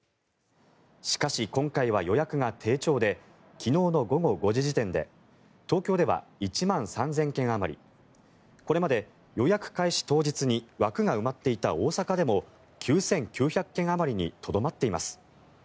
しかし、今回は予約が低調で昨日の午後５時時点で東京では１万３０００件あまりこれまで予約開始当日に枠が埋まっていた大阪でも９９００件あまりにとどまっています。